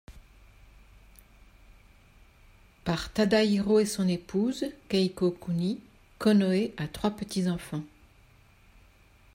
Par Tadahiro et son épouse, Keiko Kuni, Konoe a trois petits-enfants.